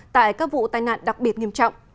tại các vụ tai nạn đặc biệt nghiêm trọng